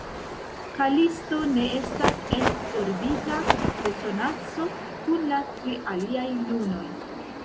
Kalisto ne estas en orbita resonanco kun la tri aliaj lunoj.